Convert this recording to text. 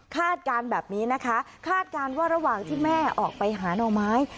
การแบบนี้นะคะคาดการณ์ว่าระหว่างที่แม่ออกไปหาหน่อไม้